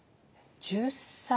１０歳？